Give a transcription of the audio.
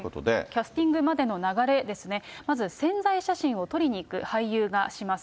キャスティングまでの流れですね、まず宣材写真を撮りにいく俳優がします。